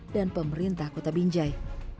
dan pemerintah kota binjai